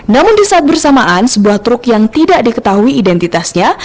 namun di saat bersamaan sebuah truk yang tidak diketahui identitasnya